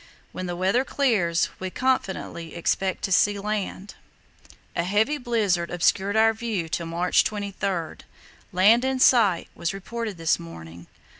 When the weather clears we confidently expect to see land." A heavy blizzard obscured our view till March 23. "'Land in sight' was reported this morning.